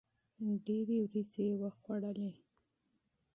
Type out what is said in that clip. ډېري وریجي یې وخوړلې.